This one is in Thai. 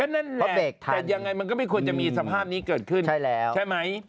นั่นแหละแต่ยังไงมันก็ไม่ควรจะมีสภาพนี้เกิดขึ้น